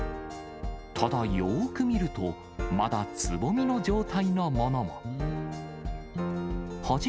ただ、よーく見ると、まだつぼみの状態のものも。